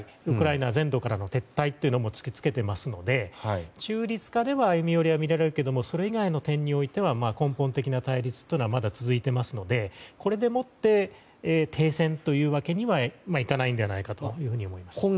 ウクライナ全土からの撤退というのも突き付けていますので中立化では歩み寄りは見られるけれどもそれ以外の点においては根本的な対立はまだ続いていますのでこれでもって停戦というわけにはいかないではないかと思います。